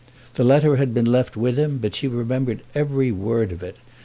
The letter had been left with him, but she remembered every word of it.